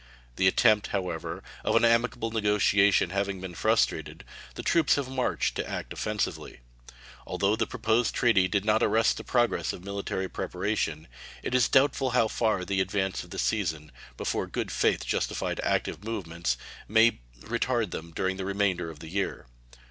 The attempt, however, of an amicable negotiation having been frustrated, the troops have marched to act offensively. Although the proposed treaty did not arrest the progress of military preparation, it is doubtful how far the advance of the season, before good faith justified active movements, may retard them during the remainder of the year.